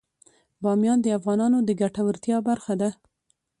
بامیان د افغانانو د ګټورتیا برخه ده.